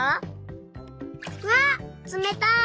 わっつめたい！